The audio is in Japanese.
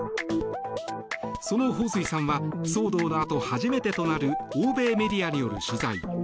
そのホウ・スイさんは騒動のあと初めてとなる欧米メディアによる取材。